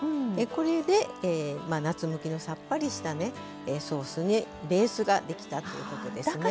これで夏向きのさっぱりしたねソースベースが出来たということですね。